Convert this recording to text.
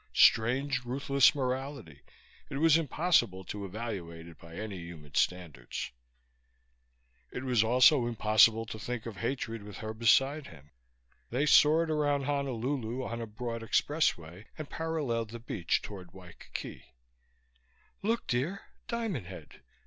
Strange, ruthless morality; it was impossible to evaluate it by any human standards. It was also impossible to think of hatred with her beside him. They soared around Honolulu on a broad expressway and paralleled the beach toward Waikiki. "Look, dear. Diamond Head!